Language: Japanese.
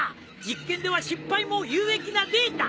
実験では失敗も有益なデータ。